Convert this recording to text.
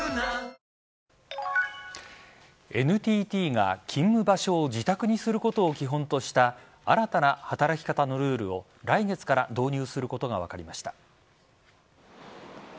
ＮＴＴが勤務場所を自宅にすることを基本とした新たな働き方のルールを来月から導入することが分かりました。